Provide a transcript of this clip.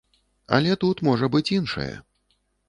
Але тут можа быць іншае.